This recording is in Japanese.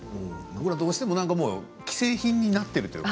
どうしても僕らは既製品になっているというか